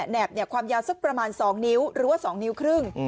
แบบความยาวสักประมาณ๒นิ้วหรือว่า๒นิ้วครึ่ง